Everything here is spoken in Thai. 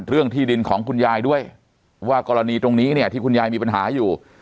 เรื่องที่ดินของคุณยายด้วยว่ากรณีตรงนี้เนี่ยที่คุณยายมีปัญหาอยู่